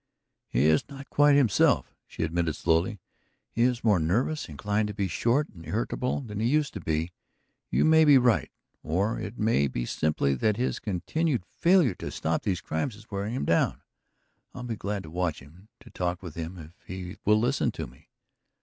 "He is not quite himself," she admitted slowly. "He is more nervous, inclined to be short and irritable, than he used to be. You may be right; or it may be simply that his continued failure to stop these crimes is wearing him down. I'll be glad to watch him, to talk with him if he will listen to me."